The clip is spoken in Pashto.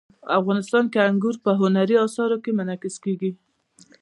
افغانستان کې انګور په هنري اثارو کې منعکس کېږي.